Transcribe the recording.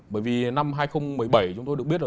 bởi vì năm hai nghìn một mươi bảy chúng tôi được biết là